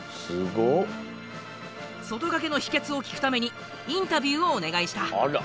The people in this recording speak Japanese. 外掛けの秘けつを聞くためにインタビューをお願いした。